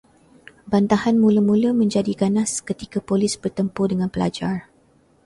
Bantahan mula-mula menjadi ganas ketika polis bertempur dengan pelajar